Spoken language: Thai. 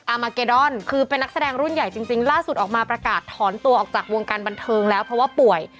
อามาเกดอนคือเป็นนักแสดงรุ่นใหญ่จริงล่าสุดออกมาประกาศถอนตัวออกจากวงการบันเทิงแล้วเพราะว่าป่วย